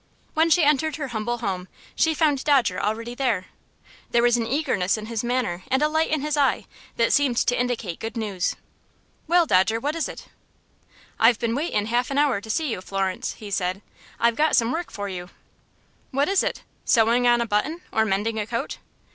When she entered her humble home, she found Dodger already there. There was an eagerness in his manner, and a light in his eye, that seemed to indicate good news. "Well, Dodger, what is it?" "I've been waitin' half an hour to see you, Florence," he said. "I've got some work for you." "What is it sewing on a button, or mending a coat?"